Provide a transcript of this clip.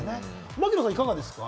槙野さんはいかがですか？